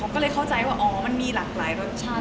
ก็เลยเข้าใจละมันมีหลากรายรสชาติ